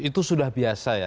itu sudah biasa ya